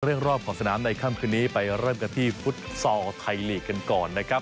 รอบขอบสนามในค่ำคืนนี้ไปเริ่มกันที่ฟุตซอลไทยลีกกันก่อนนะครับ